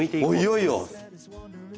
いよいよ！